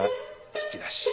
弾き出し。